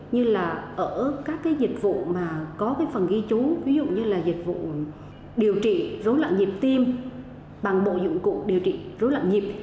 như là ở các dịch vụ mà có phần ghi chú ví dụ như là dịch vụ điều trị rối loạn nhịp tim bằng bộ dụng cụ điều trị rối loạn nhịp